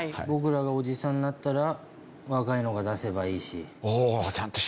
僕らがおじさんになったら若いのが出せばいいし。